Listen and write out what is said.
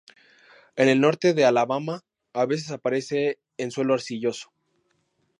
En el norte de Alabama, a veces aparece en suelo arcilloso.